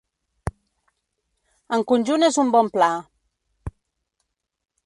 En conjunt és un bon pla.